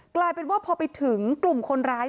กลายเป็นว่าพอไปถึงกลุ่มคนร้าย